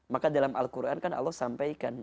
maka dalam al quran kan allah sampaikan